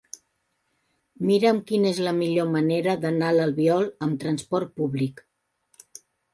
Mira'm quina és la millor manera d'anar a l'Albiol amb trasport públic.